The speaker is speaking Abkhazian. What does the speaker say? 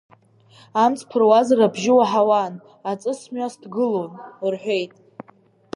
Амҵ ԥыруазар абжьы уаҳауан, аҵыс-мҩас ҭгылон, — рҳәеит.